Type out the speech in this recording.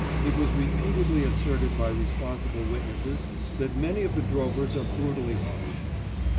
It was repeatedly asserted by responsible witnesses that many of the drovers are brutally harsh."